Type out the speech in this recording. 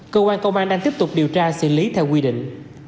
cơ quan công an đang tiếp tục điều tra xử lý theo quy định